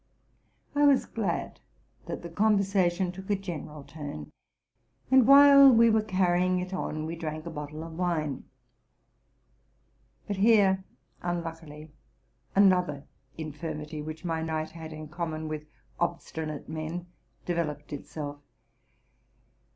| was glad that the conversation took a general turn; and, while we were carrying it on, we drank a bottle of wine. But here, unluckily, another infirmity which my knight had in common with obstinate men developed itself.